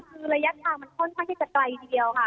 คือระยะทางมันค่อนข้างที่จะไกลทีเดียวค่ะ